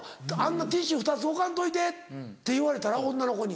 ティッシュ２つ置かんといてって言われたら女の子に。